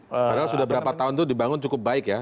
padahal sudah berapa tahun itu dibangun cukup baik ya